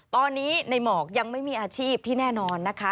ตอนนี้ในหมอกยังไม่มีอาชีพที่แน่นอนนะคะ